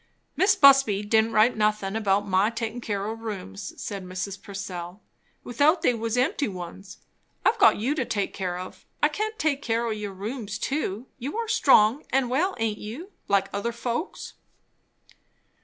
"Mis' Busby didn't write nothin' about my takin' care o' rooms," said Mrs. Purcell; "without they was empty ones. I've got you to take care of; I can't take o' your room too. You're strong and well, aint you, like other folks?"